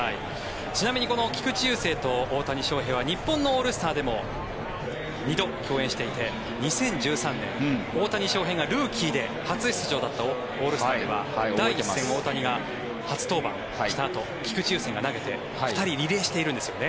ちなみにこの菊池雄星と大谷翔平は日本のオールスターでも２度共演していて２０１３年、大谷翔平がルーキーで初出場だったオールスターでは第１戦、大谷が初登板したあと菊池雄星が投げて２人、リレーしているんです。